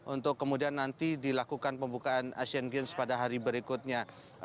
untuk kemudian nanti dilakukan pembukaan asian games pada hari berikutnya